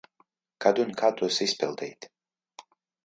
Kad un kā tos izpildīt.